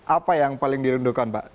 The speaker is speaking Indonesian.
apa yang paling dirindukan pak